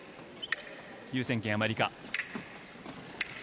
優先権、アメリカ。